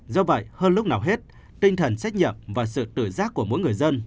do vậy hơn lúc nào hết tinh thần trách nhận và sự tử giác của mỗi người dân